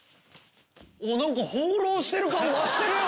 なんか放浪してる感増してるよ！